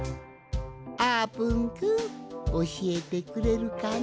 あーぷんくんおしえてくれるかの？